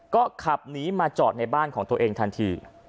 ก็ขับหนีมาจอดในบ้านของตัวเองทันที